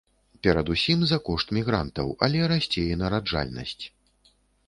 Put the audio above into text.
Перадусім за кошт мігрантаў, але расце і нараджальнасць.